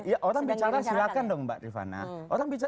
ya orang bicara silahkan dong mbak rifana